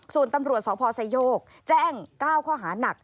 ส่วนตำรวจสพไซโยกแจ้ง๙ข้อหานัก